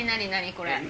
これ。